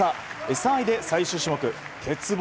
３位で最終種目、鉄棒。